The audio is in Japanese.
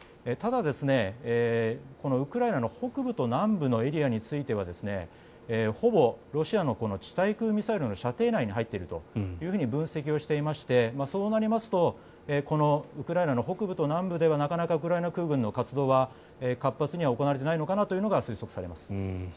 ただ、ウクライナの北部と南部のエリアについてはほぼロシアの地対空ミサイルの射程内に入っていると分析をしていましてそうなりますとこのウクライナの北部と南部ではなかなかウクライナ空軍の活動は活発に行われていないのかなと推測されます。